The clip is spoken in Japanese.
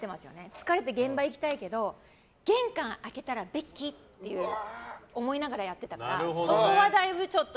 疲れて、現場行きたいけど玄関開けたらベッキーって思いながらやってたから。